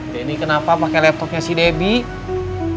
denny kenapa pakai laptopnya si debbie